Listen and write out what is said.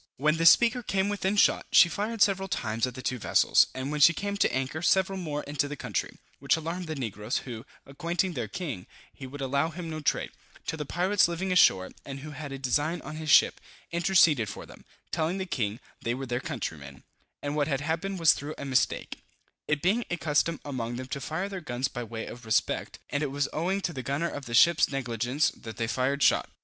When the Speaker came within shot, she fired several times at the two vessels; and when she came to anchor, several more into the country, which alarmed the negroes, who, acquainting their king, he would allow him no trade, till the pirates living ashore, and who had a design on his ship, interceded for them, telling the king, they were their countrymen, and what had happened was through a mistake, it being a custom among them to fire their guns by way of respect, and it was owing to the gunner of the ship's negligence that they fired shot.